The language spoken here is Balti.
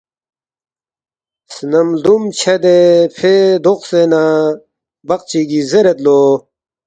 سنم لدُم چھدے فے دوقسے نہ بق چیگی زیریدلو